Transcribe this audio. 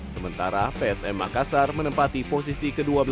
sementara psm makassar menempati posisi ke dua belas